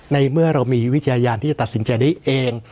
ในเมื่อเรามีวิทยานที่จะตัดสินใจได้เอง